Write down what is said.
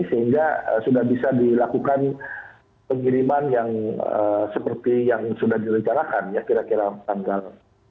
sehingga sudah bisa dilakukan pengiriman yang seperti yang sudah direncanakan ya kira kira tanggal